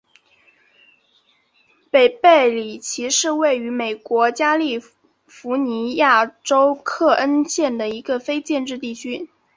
北贝里奇是位于美国加利福尼亚州克恩县的一个非建制地区。